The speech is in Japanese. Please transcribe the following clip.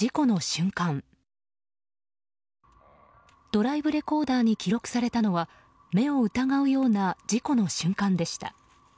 ドライブレコーダーに記録されたのは目を疑うような事故の瞬間でした。